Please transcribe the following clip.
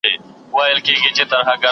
ده د کوچ پر وړاندې احتياط کړی و.